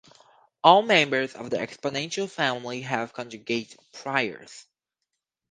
All members of the exponential family have conjugate priors.